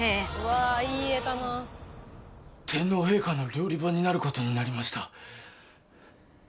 天皇陛下の料理番になることになりました。